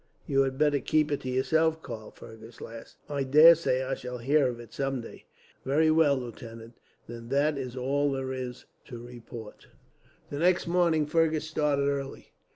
"You had better keep it to yourself, Karl," Fergus laughed. "I daresay I shall hear of it, someday." "Very well, lieutenant, then that is all there is to report." The next morning Fergus started early.